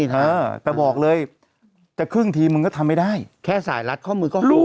ไม่มีทางแต่บอกเลยจะครึ่งทีมึงก็ทำไม่ได้แค่สายรัดข้อมือก็หลุดมา